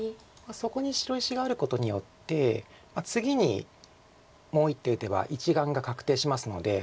そこに白石があることによって次にもう一手打てば１眼が確定しますので。